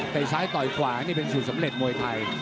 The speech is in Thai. แต่ซ้ายต่อยขวานี่เป็นสูตรสำเร็จมวยไทย